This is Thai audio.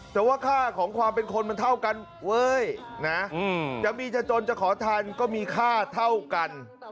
แต่ว่าค่าของความเป็นคนมันเท่ากันเว้ยนะจะมีจะจนจะขอทันก็มีค่าเท่ากัน